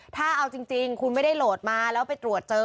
ถ้าเอาจริงคุณไม่ได้โหลดมาแล้วไปตรวจเจอ